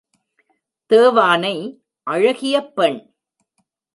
தேவானை அழகிய பெண்.